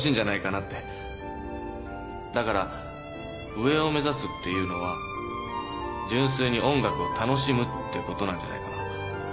だから「上」を目指すっていうのは純粋に音楽を楽しむってことなんじゃないかな。